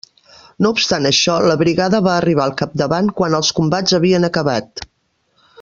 No obstant això, la brigada va arribar al capdavant quan els combats havien acabat.